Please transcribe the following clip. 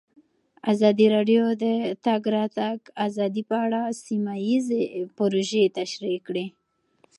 ازادي راډیو د د تګ راتګ ازادي په اړه سیمه ییزې پروژې تشریح کړې.